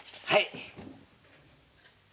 はい。